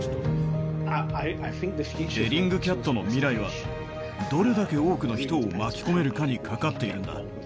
ベリングキャットの未来は、どれだけ多くの人を巻き込めるかにかかっているんだ。